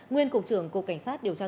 nguyên cục trưởng cục cảnh sát điều tra